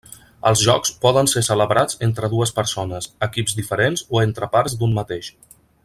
Els jocs poden ser celebrats entre dues persones, equips diferents o entre parts d'un mateix.